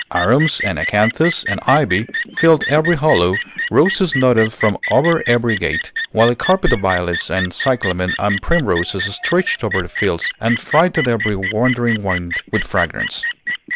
Arums and acanthus and ivy filled every hollow, roses nodded from over every gate, while a carpet of violets and cyclamen and primroses stretched over the fields and freighted every wandering wind with fragrance.